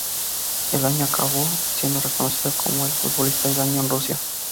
El año acabó siendo reconocido con el Futbolista del año en Rusia.